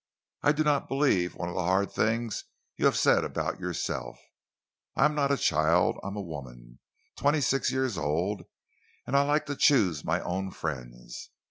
I do not believe one of the hard things you have said about yourself. I am not a child. I am a woman twenty six years old and I like to choose my own friends.